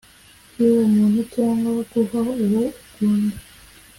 cy uwo muntu cyangwa guha uwo ukunda